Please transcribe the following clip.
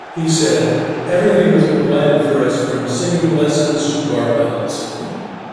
He said: Everything was provided for us, from singing lessons to barbells.